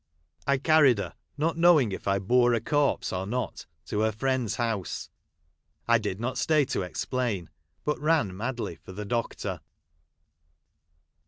1 carried her, not knowing if I bore a corpse or not, to her friend's house. I did not stay to explain, but ran madly for the doctor.